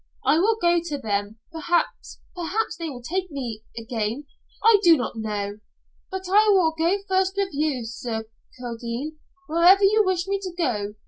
I will go to them perhaps perhaps they will take me again I do not know. But I will go first with you, Sir Kildene, wherever you wish me to go.